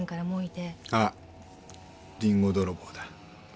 あっリンゴ泥棒だ。